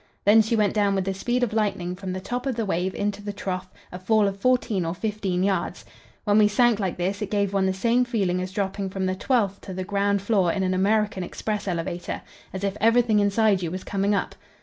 Then she went down with the speed of lightning from the top of the wave into the trough, a fall of fourteen or fifteen yards. When we sank like this, it gave one the same feeling as dropping from the twelfth to the ground floor in an American express elevator, 'as if everything inside you was coming up.'